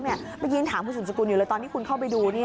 เมื่อกี้ถามคุณสุดสกุลอยู่เลยตอนที่คุณเข้าไปดู